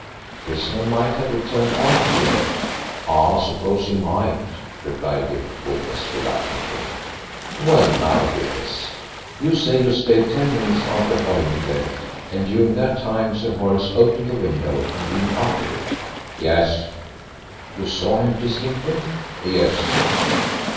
"Prisoner might have returned after you left?" "I suppose he might," replied the witness reluctantly. "Well, now, witness, you say you stayed ten minutes after Holymead left, and during that time Sir Horace opened the window and leaned out of it?" "Yes." "You saw him distinctly?" "Yes."